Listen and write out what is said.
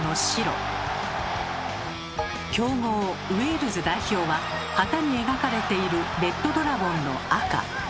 強豪ウェールズ代表は旗に描かれているレッドドラゴンの赤。